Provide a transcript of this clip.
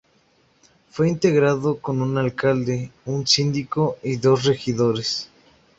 Fue integrado con un alcalde, un síndico y dos regidores.